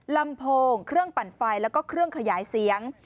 ลำโพงเครื่องปั่นไฟแล้วก็เครื่องขยายเสียง